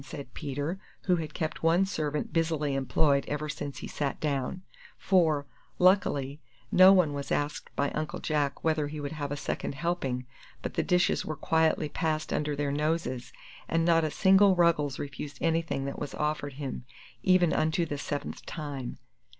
said Peter, who had kept one servant busily employed ever since he sat down; for, luckily, no one was asked by Uncle Jack whether he would have a second helping, but the dishes were quietly passed under their noses, and not a single Ruggles refused anything that was offered him, even unto the seventh time.